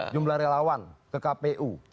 jumlah relawan ke kpu